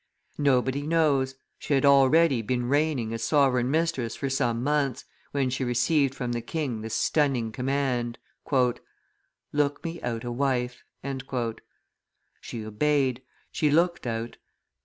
Nobody knows; she had already been reigning as sovereign mistress for some months, when she received from the king this stunning command: "Look me out a wife." She obeyed; she looked out.